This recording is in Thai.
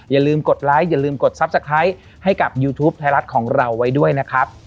อย่าลืมกดไลค์อย่าลืมกดทรัพย์สะไครให้กับยูทูปไทยรัฐของเราไว้ด้วยนะครับ